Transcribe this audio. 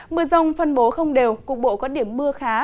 mưa rông phân bố không đều cục bộ có điểm mưa khá